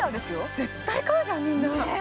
・絶対買うじゃんみんなねっ！